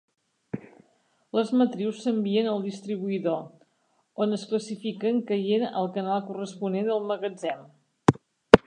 Les matrius s’envien al distribuïdor, on es classifiquen caient al canal corresponent del magatzem.